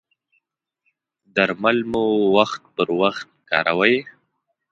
درمل مو وخت پر وخت کاروئ؟